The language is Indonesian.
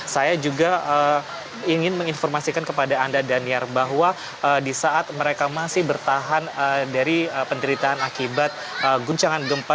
saya juga ingin menginformasikan kepada anda daniar bahwa di saat mereka masih bertahan dari penderitaan akibat guncangan gempa